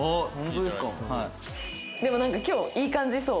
でもなんか今日いい感じそう。